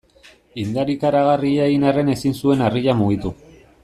Indar ikaragarria egin arren ezin zuen harria mugitu.